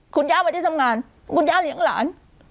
คุณย่ามาที่ทำงานคุณย่าเลี้ยงหลาน